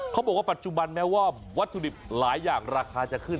ปัจจุบันแม้ว่าวัตถุดิบหลายอย่างราคาจะขึ้น